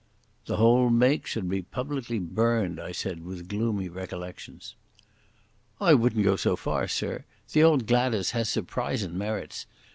"The whole make should be publicly burned," I said, with gloomy recollections. "I wouldn't go so far, sir. The old Gladas has surprisin' merits.